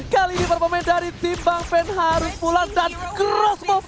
kali ini bermain dari tim bang pen harus pulang dan groskop